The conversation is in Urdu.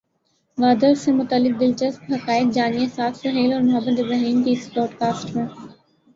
وادر سے متعلق دلچسپ حقائق جانیے سعد سہیل اور محمد ابراہیم کی اس پوڈکاسٹ میں